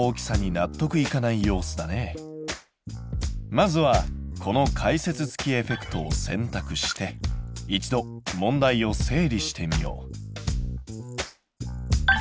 まずはこの解説付きエフェクトを選択して一度問題を整理してみよう。